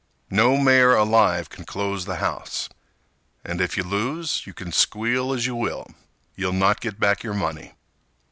No mayor alive can close the house. And if you lose, you can squeal as you will; You'll not get back your money.